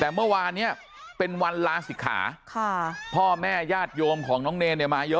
แต่เมื่อวานเนี่ยเป็นวันลาศิกขาค่ะพ่อแม่ญาติโยมของน้องเนรเนี่ยมาเยอะ